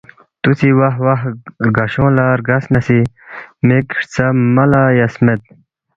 تُوسی واہواہ رگشونگ لا رگسنہ سی مک ہرژہ مہ لا یس مید